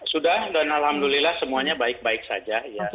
sudah dan alhamdulillah semuanya baik baik saja ya